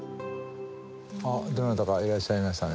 あっどなたかいらっしゃいましたね。